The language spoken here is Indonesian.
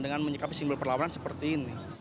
dengan menyikapi simbol perlawanan seperti ini